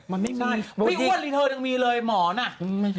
มันไม่มีไม่อ้วนเลยเธอนังมีเลยหมอน่ะ